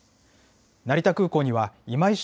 成田空港には今井翔